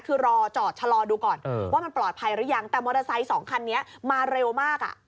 คือรอจอดชะลอดูก่อนว่ามันปลอดภัยหรือยังแต่มอเตอร์ไซค์สองคันนี้มาเร็วมากอ่ะ